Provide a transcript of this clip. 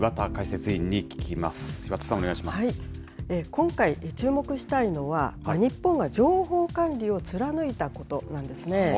今回、注目したいのは日本は情報管理を貫いたことなんですね。